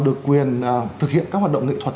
được quyền thực hiện các hoạt động nghệ thuật